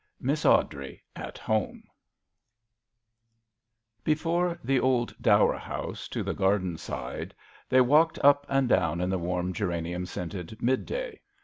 MISS AWDREY AT HOME, fEFORE the old dower [ house to the garden ' side they walked up I and down in the warm b geranium scented mid< day.